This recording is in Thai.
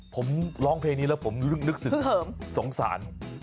ผมร้องเพลงนี้แล้วผมรู้สึกสงสาร